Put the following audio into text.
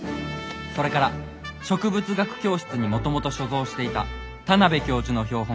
「それから植物学教室にもともと所蔵していた田邊教授の標本